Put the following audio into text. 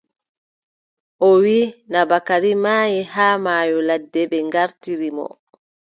O wiʼi , naa Bakari maayi, haa maayo ladde. ɓe ŋgartiri mo.